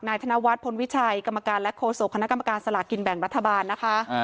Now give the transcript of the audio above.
นายธนวัตน์พลวิชัยกรรมการและโคสิโหกคำหน้ากรรมการสลากินแบ่งรัฐบาลนะคะ